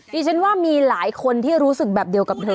ดิฉันว่ามีหลายคนที่รู้สึกแบบเดียวกับเธอ